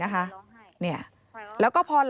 ที่อ๊อฟวัย๒๓ปี